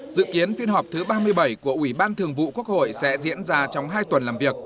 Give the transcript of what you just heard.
dự kiến phiên họp thứ ba mươi bảy của ủy ban thường vụ quốc hội sẽ diễn ra trong hai tuần làm việc